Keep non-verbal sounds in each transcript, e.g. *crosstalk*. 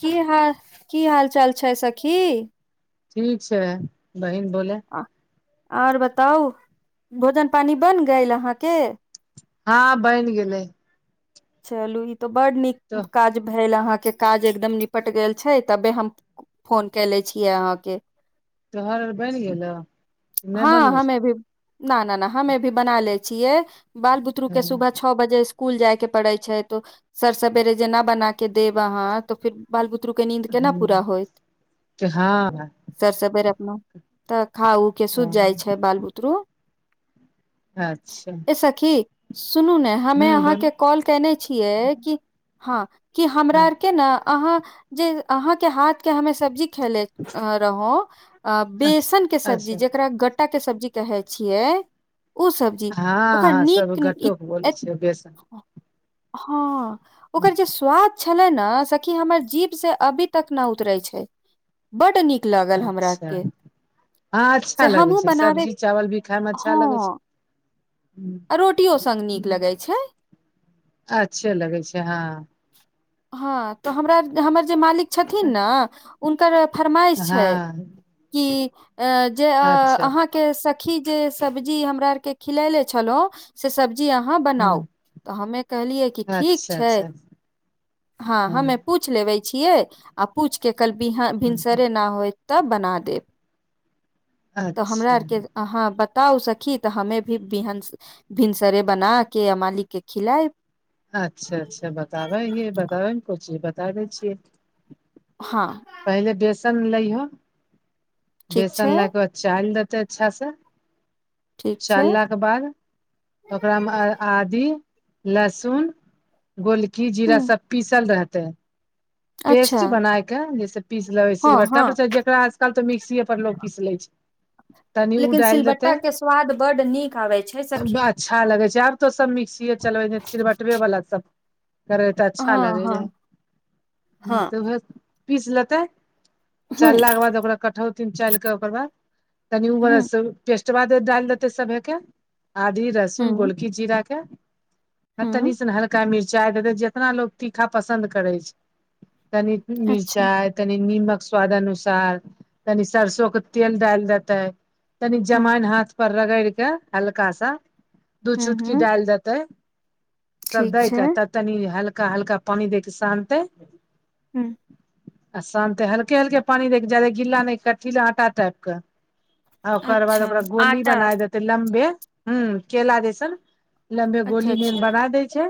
की हाल की हाल चाल छै सखी ठीक छै बहिन बोलै आओर बताउ भोजन पानी बनगईल अहाँके हँ बैन गेलै चलू ई तो बड तो नीक काज भेल कहे ले अहा के काज एकदम निपट गेल छै तबे हम फोन कैलै छीयेयै अहा के तहरर बैनि गेलौ नहि हँ बनलो हमे भी न न न हमे भी बना ले छियै बाल बुतरू छौ के सुबह छ बजे इ इकूल जाय के पड़ै छै तो सर सवेरे जेना बना के देब अहाँ तो फिर बाल बुतरू के नींद केना पूरा होयइत हँ सर सवेर अपना तऽ खा उ के सुत जाइ छै बाल बुतरू अचछा *unintelligible* ए सखी सुनू ने हमे हूँ बोल अहाँके कॉल केने छियै कि हँ कि हमरा हँ आरके न अहाँ जे अहाँके हाथ के हमे सब्जी खेले रहौ बेसन के अच्छा सब्जी अच्छा जे गट्टा के सब्जी कहै छियै ओ सब्जी जी ओकर हँ हँ सब नीक ईत गट्टो के बोलै यत छियै बेसन हँ ओकर जे स्वाद छलै न सखि हमर जीव से अभी तक नै उतरै छै बड्ड नीक लागल हमरा अच्छा आरके हँ अच्छा से लगे हमहुँ छै बनाबे सब्जी चावल भी खाय मे अच्छा लगे छै हँ आ रोटियो सङ्ग नीक लगैत छै अच्छे लगै छै हँ हँ तऽ हमरा हमर जे मालिक छथिन न हुनकर फरमाइश छै हँ कि जे अच्छा अहाँके कि जे सब्जी हमरा आरके खिलैले छलहुं से सब्जी अहाँ हूँ बनाउ तऽ हम कहलियै कि ठीक अच्छा छै। अच्छा हँ, हमे पू पूछ लेबे छियै आ पूछि के काल्हि भिनसरे नहि होय तऽ बना देब। तऽ हमरा अच्छा आओरके अहाँ बताउ, सखी, तऽ हमहुँ भिनसर। भिनसरे बना कऽ आ मालिकके खुआय। अच्छा-अच्छा, बताबै हँ, बताबै ने, किछु बता दै छियै। हँ। पहिने बेसन लेबो, ठीक बेसन छै लऽ कऽ बाद। चाल देतऽ, अच्छा सँ ठीक छै चाल। बाद ओकरामे आदी लहसुन। गोलकी, जीरा ह सभ पीसल रहतै। पेस्ट अच्छा बना कऽ, जेना पीस लेबै हँ हँ सिलबट्टापर, जेकरा आजकल तऽ मिक्सीएपर लोक पीस ले छै। तनी ओ लेकिन डालि देते सिलबट्टाके स्वाद बड्ड नीक अबैत छै, सखी। अच्छा लगै छै, आब तऽ सभ मिक्सीए चलबैत छै, सिलबट्टावालला सभ। करै तऽ अच्छा हँ हँ लगत। हँ तऽ ओहिमे पीसि लेतऽ, हूँ चलला के बाद ओकरा काटब। तीन चम्मचके ओकर बाद कनि उमेर हूँ पेस्ट डालि देतऽ सभके। आदी, लहसुन, हूँ गोलकी, जीरा कऽ। आ तनी हूँ से ने हल्का मिरचाई दे, जितना लोक तीखा पसन्द करै छै। तनी अच्छा मिरचाइ। कनि नीमक स्वाद अनुसार, कनि सरसोंके तेल डाल देतै। तनि हूँ अजवाइन हाथपर रगड़ि कऽ हल्का सा। दू हूँ चुटकी हूँ डालि देतै, सभ ठीक दऽ छै कऽ तब। तनि हल्का हल्का पानि दऽ कऽ सानतै। हूँ आ शामे हल्का हल्का पानि दऽ कऽ गिला कऽ आटा टाइपके। आ ओकर बाद अच्छा ओकरा गोली आटा बनाय देतै, लम्बे ह केला जैसन। लम्बे अच्छा अच्छा गोलीनुमा बना देय छै,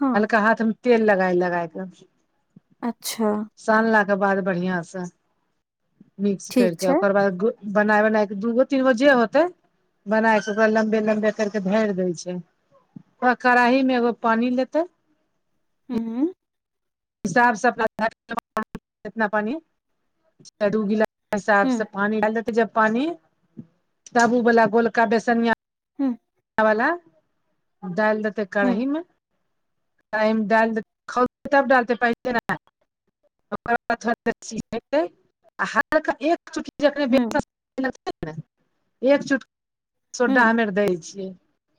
हँ हल्का हाथमे तेल लगाय लगाय कऽ। अच्छा। सानलाके बाद बढ़िया सँ मिक्स करि ठीक कऽ, छै ओकर बाद। बनाय-बनाय दूगो-तीनगो जे होतै। बना कऽ छै, ओकरा लम्बे लम्बे कऽ कऽ भरि दै छै। तऽ कड़ाहीमे एगो पानि लेते। हँ। साफ सफाइ *unintelligible* पानी चूड़ू गिलके हूँ हिसाबसँ पानि डाल। पानि, तब ओ वाला गोलका बेसन। हँ। दऽ दैतै कढ़ीमे। टाइम दऽ देतऽ, तब डालतै पसे ने। ओकर बादथ *unintelligible* सी आ हर एक चुटकी, हूँ जेना एक चुटकी। सोडा हूँ हमे दै छियै।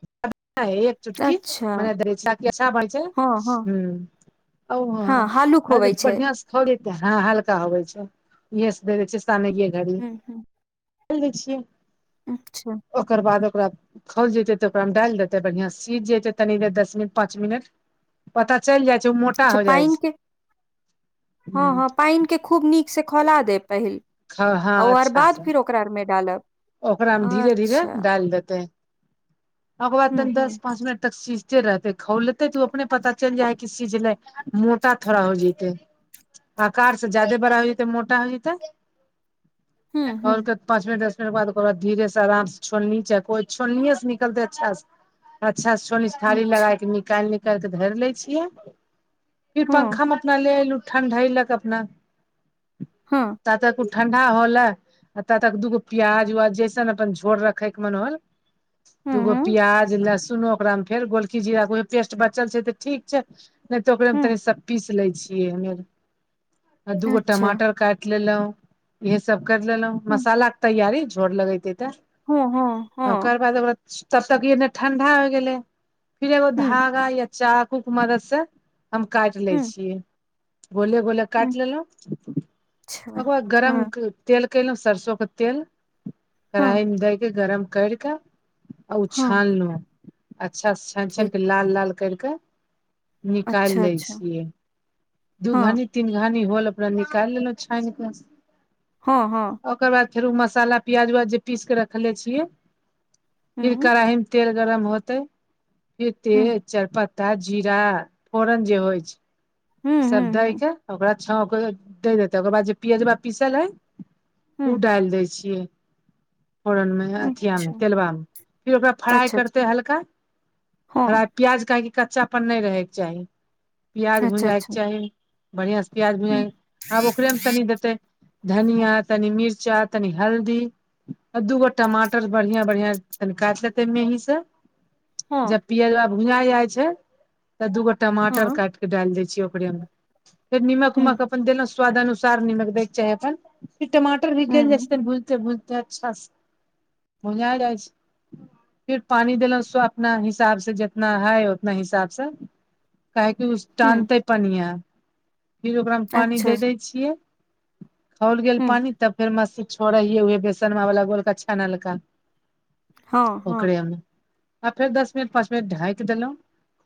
*unintelligible* अच्छा चुटकीमे दऽ, अच्छा भऽ छै हँ। ओ हँ, हालुक होबै छै बढ़ियाँ। थोड़ी हँ, हल्का होइ छै, इहेसँ दऽ दै छै, साने घड़ी। हूँ हूँ दै छियै, अच्छा ओकर बाद ओकरा खौल जेतै तऽ ओकरामे डालि देतै, बढ़ियाँ सँ सीझि जेतै, तनि देर दस मिनट, पाँच मिनट। पता चलि जाइ छै ने। अच्छा, पानि हँ हँ, पानि के खूब नीक सँ खौला दे पहिने। हूं हँ आओर अच्छा बाद से फिर ओकराआरमे डालब ओकरा मे धीरे धीरे अच्छा डालि देते ओकर बाद हूँ तनी हूँ दस पाँंच मिनट तक सी झते रहतै खौलतै तऽ ओ अपने पता चलि जाइ है किस चीज ले मोटा थोड़ा हो जतै आकार से ज्यादे बड़ा हो जेतै मोटा हो जतै हुँ, आओर हुँ, पाँच मिन दस बाद ओकर बाद धीरे से आराम छोलनी चक्कू छोलनीये से निकलतै अच्छा से अच्छा सोनी थारी अच्छा, लगाके निकालि निकाल कऽ धरि लै छियै फिर हाँ, पंखामे अपना ले एलू ठण्ढलक अपना हँ तातक ओ ठंडा होले आ तात तक दूगो प्याज उआज जैसन अपन झोर रखैके मन होल हुँ, दूगो हुँ, प्याज लहसुन ओकरा में फेर गोलखी जीरा के पेस्ट बचल छै ते ठीक छै नहि तऽ ओकरेमे तनि हुँ, सभ पीस लै छियै हमेर आ दूगो अच्छा, टमाटर काटि लेलहुँ इएहे सब करि लेलहुँ हुँ, मसाला यारी झोर लगेते तऽ हाँ, हाँ, हाँ, ओकर बाद ओ तब तक एने ठण्डा हो गेलै फिर एगो हुँ, धागा य चाकू क मदद से हम काटि लै हुँ, छियै गोले गोले काट लेलहुँ अच्छा, ओकर बाद गरम हाँ, तेल केलहुँ सरसो के तेल हाँ, कराही मे दैके गरम करि कऽ आ ओ हाँ, छानलहुँ अच्छासँ छानि छानि ठीक, कऽ लाल लाल करि कऽ निकालि अच्छा, लै अच्छा, छियै दू हाँ, घानी तीन घानी होल अपना निकालि लेलहुँ छानिकऽ हँ हँ ओकर बाद फेर ओ मसाला प्याज उ्याज जे पीसके रखले छियै फिर हुँ, कढ़ाही मे तेल गरम होते फेर तेल हुँ, तेजपत्ता जीरा फोरन जे होइ छै हुँ, सब हुँ, देय हुँ, के ओकरा छौंके दे देतेै ओकर बाद जे पियजबा पीसल है ओ हुँ, डालि दै छियै फोरन मे अथिया अच्छा, तेलबा मे फिर ओकरा फ्राइ अच्छा, करते अच्छा, हल्का हाँ, फ्राइ प्याज काट के कच्चापन न रहे के चाही प्याज अच्छा, भुजए के अच्छा, चाही बढ़िया से प्याज हुँ, में आब ओकरेमे तनि देतै धनिया तनि मिरचा तनि हल्दी आ दूगो टमाटर बढ़िया बढ़िया कनि काटि लेतै मेहीं से जब हाँ, पियाज भुँजााय जाइ छै तऽ दूगो टमाटर हाँ, काट के डालि दै छियै ओकरे मे फेर निमक हुँ, उमक अपन देल स्वदानुसार निमक दच छैै अपन फिर मटर तरीके हुँ, छै भूजते भूजतै अच्छा से भोल ला छै फिर पानि देलहुँं स अपना हिसाब से जितना है उतना हिसाब सँ काहेकि ओ हुँ, टानतै पनिआँ फिर ओकरामे पानि अच्छा, दे दै छियै खौल गेल हुँ, पानी तब फेर मसी छोड़ै हे हए बेसनव वाला बोलक अच्छा नलका हाँ, हाँ, ओकरे मे आ फेर दस मिनट पांच मिनट ढकि देलहुं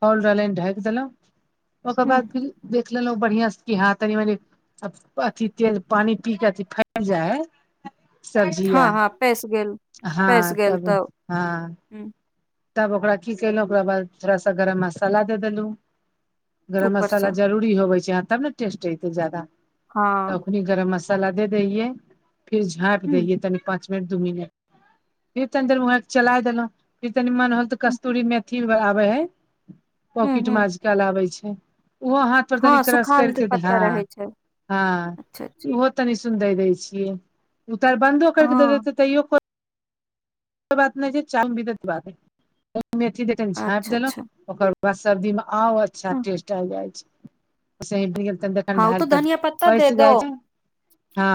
खौल रहलै ढकि देलहुं ओकर बाद हुँ, फर देख लेलहुँ बढ़ियां से कि हँ तनि मनी अथि तेल पानि पी क अथि फै जाइहै सब्जिया हाँ, हाँ, पैसि गेल हँ पैसि गेल तब हँ हुँ, तब ओकरा की केलहु ओकरा बाद थोड़ा सा गरम मसाला दे देलु गरम मसाला ऊपरसँ, जरूर ई होेवै छै आहाँ तब ने टेस्ट एयतै जादा हँ नी गरम मसाला दे दैयै फिर झाँप हुँ। दैैलियै तनि पाँच दू म फेर तर मुह चलाय देलहु तनी मन होल तऽ कस्तूरी मेथी आबै है हूँ पॉकिट म हूँ क लबे छै ओहो हाथ हाथ पर तनी हँ क्रैस सुखाल जे करके पत्ता हँ रहै छै अच्छा अच्छा हँ तनी सुन दे दे छिय उतर बन्दो कर के दे हँ देे तैयो बात नहि छै चाय मेथी देख झापि अच्छा अच्छा देलहुं ओकर बाद सर्दी मे आउ अच्छा हँ टेस्ट आबी जाई छै हँ ओ डल तऽ धनिया पत्ता दे पैस दो दइ छै *unintelligible* हँ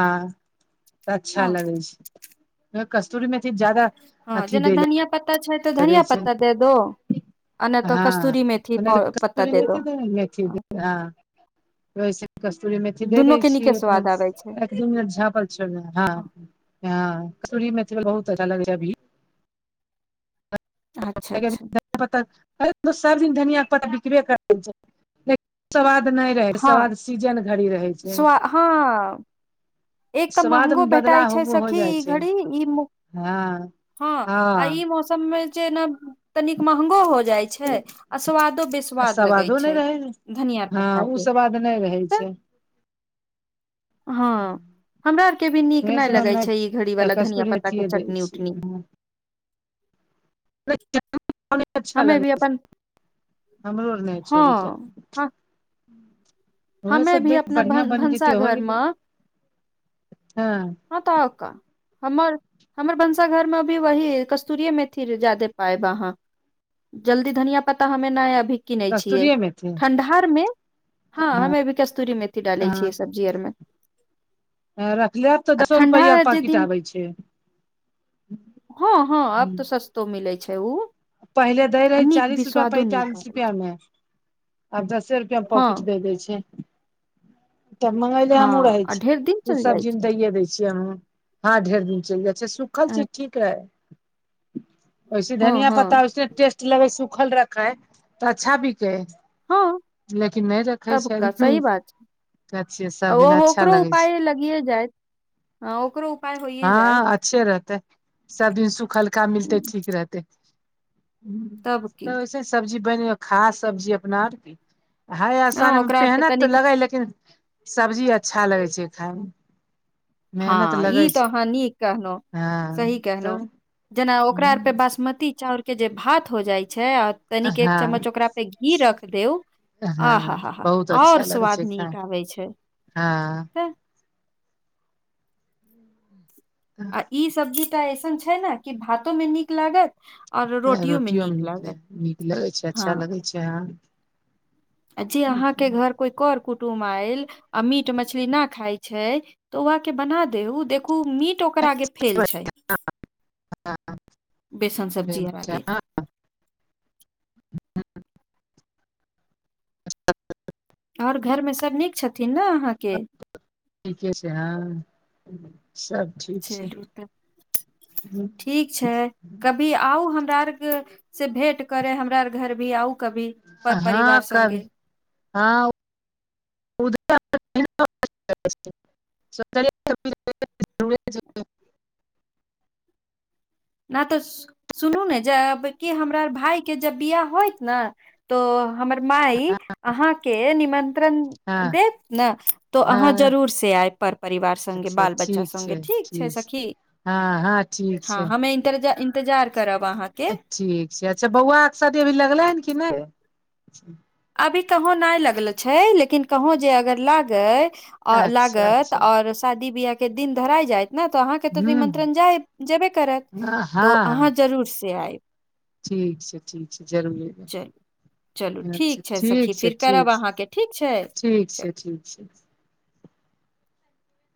अच्छा हँ लगै छै कस्तूरी मेथी जैदा हँ जेना धनिया पत्ता छै तऽ धनिया छै पत्ता दे दो आ नहि तऽ हँ कस्तूरी मेथी प- पत्ता कस्तूरी दे दो *unintelligible* वैसे कस्तूरी मेथी दे दै दुनू के छीयै नीके अपना स्वाद आबै छै झ ह ह सू मैथिलथिल बहुत अच्छा लगै छै अभी *unintelligible* अच्छा धन अच्छा प्त सब दिन धनियाकके पत्ता बिक्रबे कर द छै *unintelligible* ल स्वाद नहि रहै छै हँ साद सीजन घड़ी रहै छै स्व हँ एक तऽ स्वाद महंगो मे भेटाइ छै बदलाव हो सखी जाइ ई छै घड़ी ई हँ हँ आ ई हँ मौसम मे छै ने तनिक महंगो हो जाइ छै छै आ स्वादो बेस्वाद लगै स्वादो नहि छै रहै धनिया हँ पत्ता ओ के स्वाद नहि रहै तऽ छै *unintelligible* हँ हमरा आरके भी नीक उहे नहि से हम लगै छै ई तऽ घड़ीवाला धनिया कस्तूरी पत्ताके मेथिये दै चटनी उटनी छियै नय कायम पर अच्छा हमे भी लगैय छै *unintelligible* अपन नल ओण हँ च वि *unintelligible* ह- हमे भी देख अपना बढ़िया भन बन जेतै हो भनसाघर गेलै मे हँ त क हमर हमर भनसाघरमे अभी वही कस्तूरये मेथी जादे पायब अहाँ जल्दी धनिया पत्ता हमे नहि अभी किनै छियै कस्तूरिये मेथी ठण्डारमे हँ हमे अभी कस्तूरी मेथी डालै छियै हँ सब्जी आर मे रखले तऽ आ दसो ठण्डा रुपैआ के जे पाकिट दिन आबै छै हँ हँ आब तऽ सस्तो मिलै छै ओ पहिले दै आ रहै नीक चालीस भी रुपआ स्वादो नीक पैंतालिस आबै रुपआ छै मे आब दसे रुप क हँ पॉकिट द दै छै तब मंगले हँ हमहुं रहे आ छी ढेर दिन तू चलि जाइ सब्जी मे छै दैे दय छियै हम हँं ढेर दिन चल सुखल अ- चीज ठीक रहै ओैसे हँ धनिया प्त हँ टेस्ट लगै सुूखल रख है तऽ अच्छा बिकै हँ है लेकिन नहि रखै तबका छैलखिन सही बात छै क छियै आ ओ सभदिन अच्छा लगै छै ह ओकरो उपाय होइ हँ अच्छे रहते सब दिन सुखल्का मिलते ह ठीक रहतै तब की कैस सब्जी बैन खास सब्जी अपना आर की हय हँ आसान मे ओकरा आर पे पेहनत तऽ तनिक लगै लेकिन सब्जी अच्छा लगै छै खायमे मेहनत हँ लगै ई तो छै अहाँ नीक कहनोहु हँ सही तऽ कहलौ जेना ओकरा आर के बासमती चाउर के जे भात हो जाइ छै और तनिक एक चम्मच हँ ओकरा पे घी रख देब हँ आह हा हा बहुत आओर अच्छा लगै स्वाद छै खाय नीक आबै छै हँ त आ ई सब्जी तऽ एऐसन छै ने कि भातोमे नीक लागत आओर ह रोटियो मे रोटियोमे नीक निकै लागत ह नीक लगैत छै हँ अच्छा लगैत छै हँ आ जे अहाँके घर कोइ कर कुटुमब आयल आ मीट मछली न खाइ छै तऽ ओहके बना दे ओ देखू मीट ओकरा आगे फेल छै बेसन फेर सब्जी बाला के आगे हँ आओर घरमे सभ नीक छथिन ने अहाँके ठीके छै हँ सब ठीक च छै त ठीक छै कब *unintelligible* कभी आउ हमरा आरके से भेंट करे हमरा आर घर भी आउ कभी पर परिवार हँ संगे कभी हँ उधर *unintelligible* सक न तऽ सुनू ने जे अब कि हमरा भाय के जब बियाह होइत ने तो हमर माई अहाँके निमंत्रण हँ देत ने तो अहाँ हँ जरूर से आय पर परिवार संगे अच्छा बाल बच्चा ठीक संगे छै ठीक छै सखी हँ हँ ठीक छै मे इन्तजार करब अहाँ ठीक छै अच्छा बौआ आरके शादी अभी लगलै हन कि नहि अभी कहीं नहि लगलो छै लेकिन कहुं जे अगर लागै अच्छा लागत अच्छा और शादी बियाह के दिन धराय जाइत नहि तऽ अहाँके तऽ हूँ निमंत्रण जाय जेबे करत हँ तो अहाँ हँ जरूर से आयब ठीक छै ठीक छै जरूर एबै चलू चलू अच्छा ठीक छै सखी ठीक छै फिर ठीक करब छै अहाँके ठीक छै ठीक छै ठीक छै